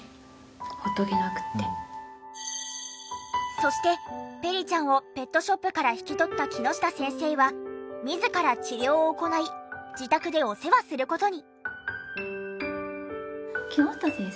そしてペリちゃんをペットショップから引き取った木下先生は自ら治療を行い自宅でお世話する事に。